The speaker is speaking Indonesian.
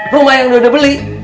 rumah yang udah beli